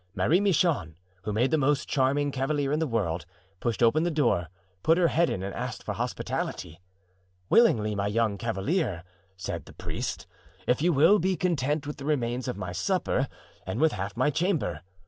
Marie Michon, who made the most charming cavalier in the world, pushed open the door, put her head in and asked for hospitality. 'Willingly, my young cavalier,' said the priest, 'if you will be content with the remains of my supper and with half my chamber.